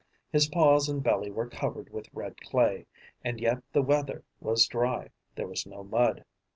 His paws and belly were covered with red clay; and yet the weather was dry, there was no mud.